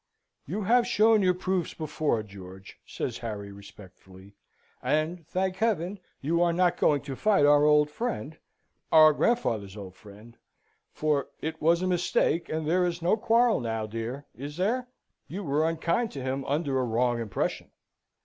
"You have shown your proofs before, George," says Harry, respectfully. "And, thank Heaven, you are not going to fight our old friend, our grandfather's old friend. For it was a mistake and there is no quarrel now, dear, is there? You were unkind to him under a wrong impression."